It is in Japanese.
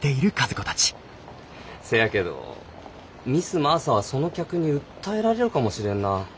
せやけどミス・マーサはその客に訴えられるかもしれんなあ。